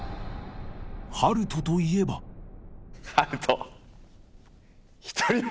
暖人といえば暖人。